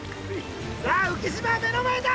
さあ浮島は目の前だ。